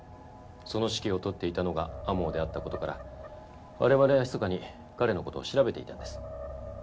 その指揮を執っていたのが天羽であった事から我々はひそかに彼の事を調べていたんです。